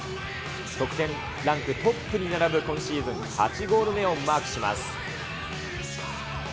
得点ランクトップに並ぶ今シーズン８ゴール目をマークします。